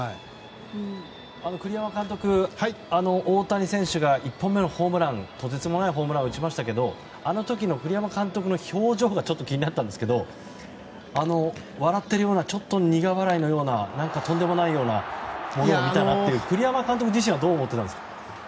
栗山監督、大谷選手が１本目のホームランとてつもないホームランでしたがあの時の栗山監督の表情がちょっと気になったんですが笑ってるようなちょっと苦笑いのようなとんでもないようなものを見たなみたいな栗山監督自身はどう思っていたんですか？